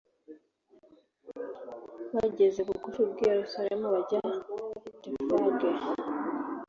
bageze bugufi bw i yerusalemu bajya i betifage